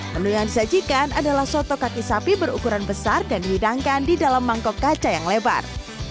menu yang disajikan adalah soto kaki sapi berukuran besar dan dihidangkan di dalam mangkok kaca yang lebar